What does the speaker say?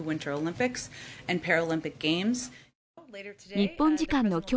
日本時間の今日